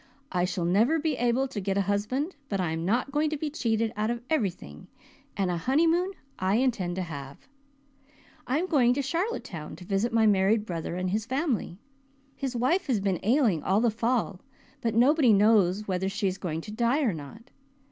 "I shall never be able to get a husband but I am not going to be cheated out of everything and a honeymoon I intend to have. I am going to Charlottetown to visit my married brother and his family. His wife has been ailing all the fall, but nobody knows whether she is going to die not.